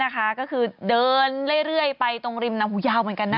ก็คือเดินเรื่อยไปตรงริมน้ำหูยาวเหมือนกันนะ